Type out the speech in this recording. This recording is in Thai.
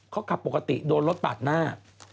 เขาขับโดนรถปากหน้า